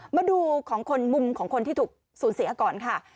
มาดูของคนมุมของคนที่ถูกสูญเสียก่อนค่ะ